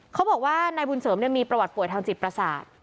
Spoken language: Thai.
เขาบอกว่านายบุญเสริมมีประวัติป่วยทางจิตประสาท